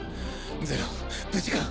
ゼロ無事か？